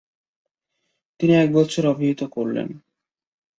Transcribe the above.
তিনি এক বছর অতিবাহিত করেন।